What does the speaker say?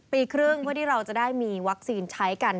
ปีครึ่งเพื่อที่เราจะได้มีวัคซีนใช้กัน